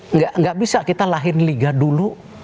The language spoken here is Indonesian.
nggak bisa kita lahir liga dulu